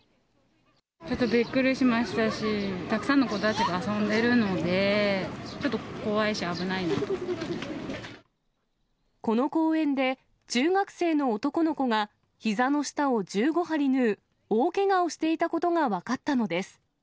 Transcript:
ちょっとびっくりしましたし、たくさんの子たちが遊んでいるので、ちょっと怖いし、この公園で、中学生の男の子が、ひざの下を１５針縫う大けがをしていたことが分かったのです。